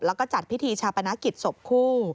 แล้วก็จัดพิธีชาปนกิจศพคู่